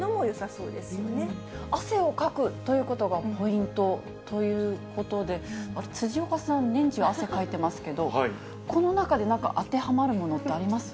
そう汗をかくということがポイントということで、辻岡さん、年中、汗かいてますけど、この中で、なんか当てはまるものってあります？